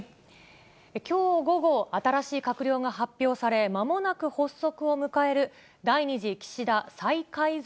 きょう午後、新しい閣僚が発表され、まもなく発足を迎える第２次岸田再改造